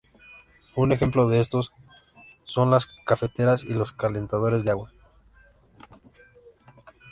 Un ejemplo de esto son las cafeteras y los calentadores de agua.